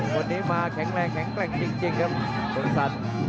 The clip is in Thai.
วันนี้มาแข็งแรงแข็งแกร่งจริงครับคุณสัน